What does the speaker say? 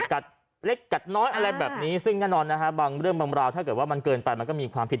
กัดเล็กกัดน้อยอะไรแบบนี้ซึ่งแน่นอนนะฮะบางเรื่องบางราวถ้าเกิดว่ามันเกินไปมันก็มีความผิด